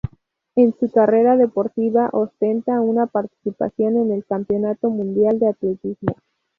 En su carrera deportiva ostenta una participación en el Campeonato Mundial de Atletismo.